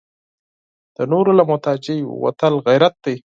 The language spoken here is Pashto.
د نورو له محتاجۍ وتل غیرت دی.